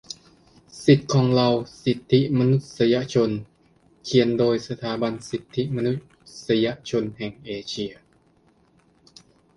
สิทธิของเรา สิทธิมนุษยชน เขียนโดยสถาบันสิทธิมนุษยชนแหงเอเชีย